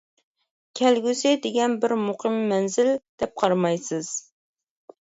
«كەلگۈسى دېگەن بىر مۇقىم مەنزىل» دەپ قارىمايسىز.